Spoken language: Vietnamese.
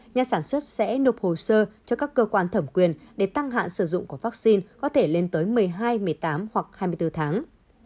nhà sản xuất sẽ nộp hồ sơ cho các cơ quan thẩm quyền để tăng hạn sử dụng của vaccine có thể lên tới một mươi hai một mươi tám hoặc hai mươi bốn tháng